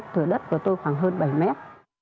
thửa đất của tôi khoảng hơn bảy mét